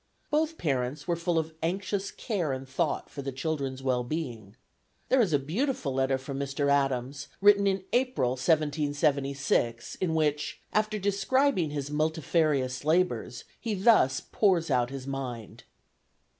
Both parents were full of anxious care and thought for the children's well being. There is a beautiful letter from Mr. Adams, written in April, 1776, in which, after describing his multifarious labors, he thus pours out his mind.